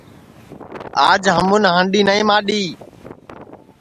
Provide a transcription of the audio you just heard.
آج ہمُون ہانڈؔی نائی ماڈؔی